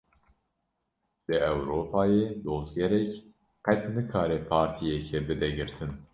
Li Ewropayê dozgerek, qet nikare partiyekê bide girtin